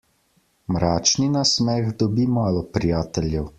Mračni nasmeh dobi malo prijateljev.